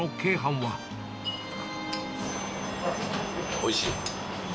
おいしい。